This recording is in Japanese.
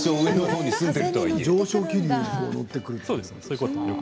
上昇気流に乗ってくる。